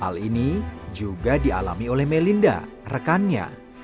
hal ini juga dialami oleh melinda rekannya